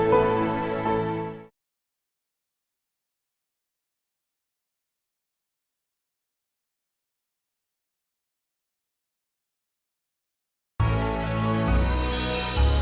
jadi ngetegas sama dia